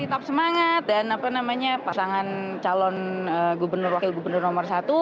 tetap semangat dan pasangan calon gubernur wakil gubernur nomor satu